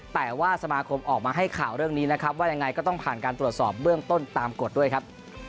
แต่ว่าสมาคมออกมาให้ข่าวเรื่องนี้นะครับว่ายังไงก็ต้องผ่านการตรวจสอบเบื้องต้นตามกฎด้วยครับ